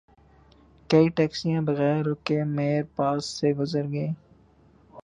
کئی ٹیکسیاں بغیر رکے میر پاس سے گزر گئیں